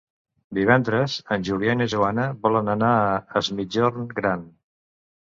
Divendres en Julià i na Joana volen anar a Es Migjorn Gran.